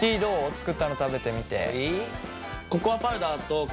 作ったの食べてみて。